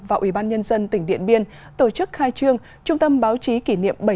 và ủy ban nhân dân tỉnh điện biên tổ chức khai trương trung tâm báo chí kỷ niệm